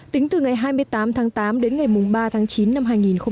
tính từ ngày hai mươi tám tháng tám đến ngày ba tháng chín năm hai nghìn một mươi chín